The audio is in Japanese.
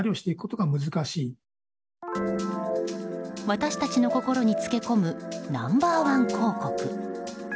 私たちの心につけ込むナンバー１広告。